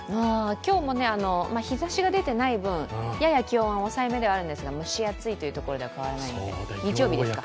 今日も日ざしが出ていない分、やや気温は抑えめではあるんですが、蒸し暑いというところでは変わらないですが、日曜日ですか。